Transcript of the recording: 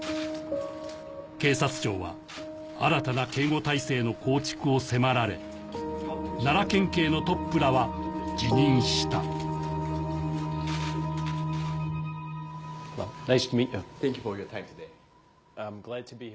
警察庁は新たな警護体制の構築を迫られ奈良県警のトップらは辞任したＮｉｃｅｔｏｍｅｅｔｙｏｕ．